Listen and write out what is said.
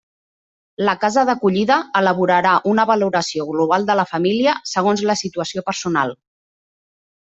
La casa d'acollida elaborarà una valoració global de la família, segons la situació personal.